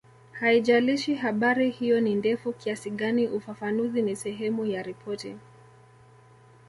Haijalishi habari hiyo ni ndefu kiasi gani ufafanuzi ni sehemu ya ripoti